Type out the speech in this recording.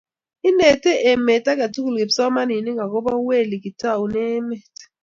ineti emet aketukul kipsomaninik akobo weli kitoune emet